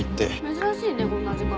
珍しいねこんな時間に。